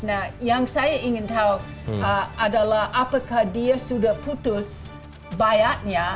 nah yang saya ingin tahu adalah apakah dia sudah putus bayarnya